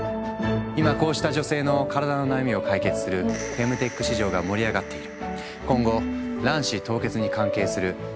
今こうした女性の体の悩みを解決するフェムテック市場が盛り上がっている。